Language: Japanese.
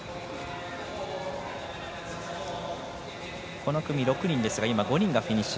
この組６人ですが今、５人がフィニッシュ。